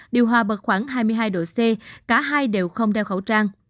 điều hòa bậc khoảng hai mươi hai độ c cả hai đều không đeo khẩu trang